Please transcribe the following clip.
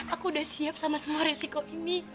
aku udah siap sama semua resiko ini